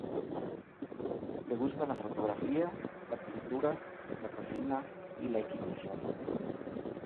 Le gusta la fotografía, la pintura, la cocina y la equitación.